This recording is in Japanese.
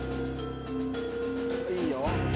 いいよ。